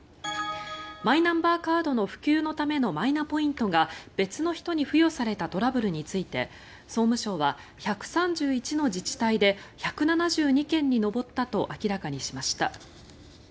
マイナンバーカードの普及のためのマイナポイントが別の人に付与されたトラブルについて総務省は１３１の自治体で１７２件に上ったと明らかにしました。